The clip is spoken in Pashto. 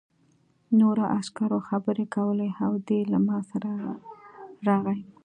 نورو عسکرو خبرې کولې او دی له ما سره راغی